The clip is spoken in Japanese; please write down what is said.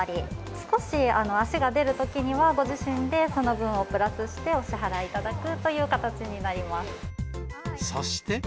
少し足が出るときには、ご自身でその分をプラスして、お支払いいただくという形になりそして。